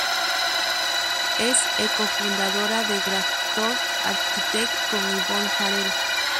Es co-fundadora de Grafton Architects con Yvonne Farrell.